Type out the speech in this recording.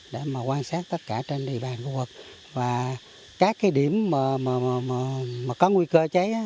để mà quan sát tất cả trên địa bàn khu vực và các cái điểm mà có nguy cơ cháy